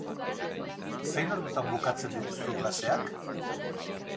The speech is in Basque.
Zein ordutan bukatzen dituzu klaseak?